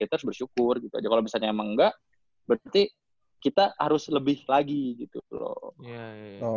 terus bersyukur gitu aja kalau misalnya emang enggak berarti kita harus lebih lagi gitu loh